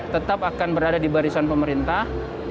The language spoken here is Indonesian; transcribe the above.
tetap akan berada di barisan pemerintah